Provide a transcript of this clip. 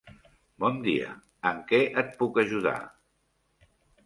Bon dia! En què et puc ajudar?